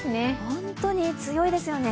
本当に強いですよね。